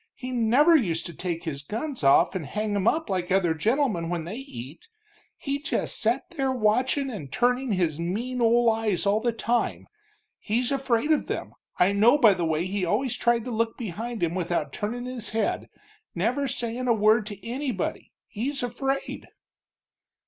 He never used to take his guns off and hang 'em up like other gentlemen when they eat. He just set there watchin' and turnin' his mean old eyes all the time. He's afraid of them, I know by the way he always tried to look behind him without turnin' his head, never sayin' a word to anybody, he's afraid."